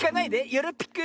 よろぴく。